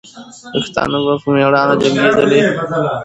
پښتانه به په میړانه جنګېدلې.